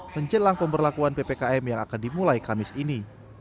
menjelang pemberlakuan ppkm yang akan dimulai kamis ini